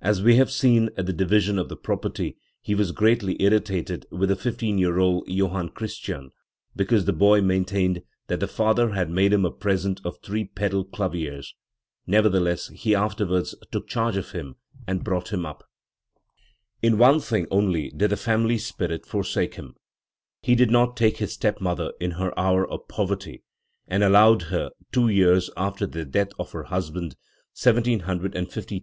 As we have seen, at the division of the property he was greatly irritated with the fifteen year old Jofhann Christian because the boy maintained that the father had made him a present of three pedal daviersf; nevertheless he afterwards took charge of him and brought him up. In one thing only did the family spirit forsake him: he did not take Ms stepmother in her hour of poverty, and allowed her, two years after the death of her husband * Joseph Sittard, GescUchte des Musik und Komertmsens in Hambwg, 1890, p. 52. Bitter, E. wnd Fr. Bach I, 173 Bitter, I, 346.